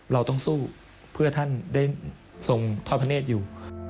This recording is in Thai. เราต้องสู้เพื่อท่านได้ทรงทอดพระเนธอยู่